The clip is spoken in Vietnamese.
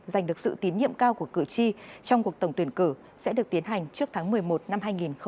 giành được sự tín nhiệm cao của cử tri trong cuộc tổng tuyển cử sẽ được tiến hành trước tháng một mươi một năm hai nghìn hai mươi